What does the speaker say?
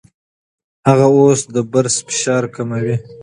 هغه اوس د برس فشار کموي.